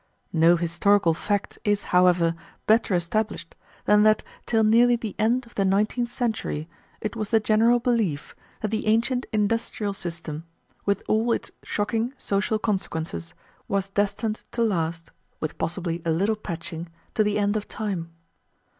No historical fact is, however, better established than that till nearly the end of the nineteenth century it was the general belief that the ancient industrial system, with all its shocking social consequences, was destined to last, with possibly a little patching, to the end of time.